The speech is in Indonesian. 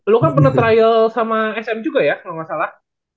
lu kan pernah trial sama sm juga ya gak masalah